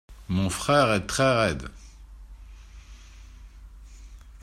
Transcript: Mon frère est très raide.